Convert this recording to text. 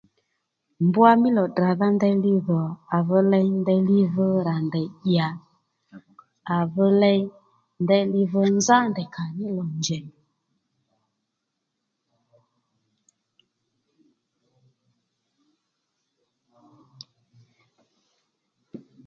Mbwa mí lò tdradha ndeyli dhò à dho ley ndeyli dho rà ndèy dyà à dho ley ndeyli dho nzá ndèy kà ní lò njèy